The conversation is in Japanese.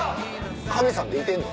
神さんっていてんの？